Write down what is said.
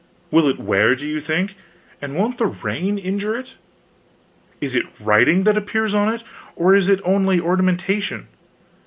Will it wear, do you think, and won't the rain injure it? Is it writing that appears on it, or is it only ornamentation?